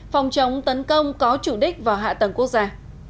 phòng chống tấn công có chủ đích vào hạ tầng quốc gia